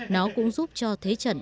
nó cũng giúp cho thế trận